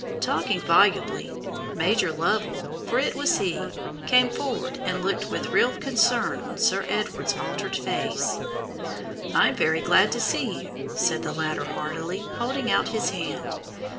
Talking volubly, Major Lovell for it was he came forward and looked with real concern on Sir Edward's altered face. "I'm very glad to see you," said the latter, heartily, holding out his hand.